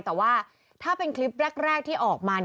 แต่ว่าถ้าเป็นคลิปแรกที่ออกมา